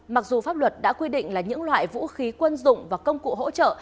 mặc dù pháp luật đã quy định là những loại vũ khí quân dụng và công cụ hỗ trợ